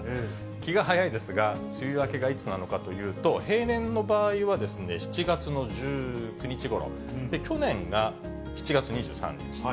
気が早いですが、梅雨明けがいつなのかというと、平年の場合はですね、７月の１９日ごろ、去年が７月２３日。